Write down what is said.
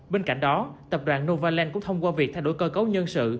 bên cạnh đó tập đoàn novaland cũng thông qua việc thay đổi cơ cấu nhân sự